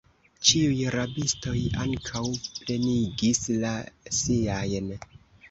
Ĉiuj rabistoj ankaŭ plenigis la siajn.